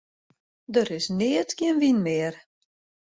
Der is neat gjin wyn mear.